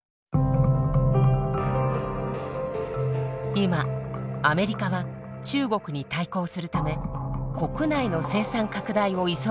今アメリカは中国に対抗するため国内の生産拡大を急いでいます。